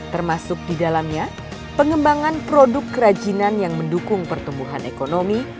termasuk di dalamnya pengembangan produk kerajinan yang mendukung pertumbuhan ekonomi